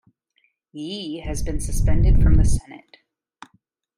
Yee has been suspended from the senate.